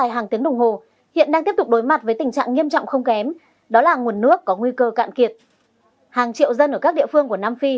hàng triệu dân ở các địa phương của nam phi